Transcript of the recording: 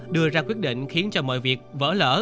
đưa ra quyết định khiến cho mọi việc vỡ lở